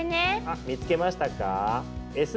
あ見つけましたか？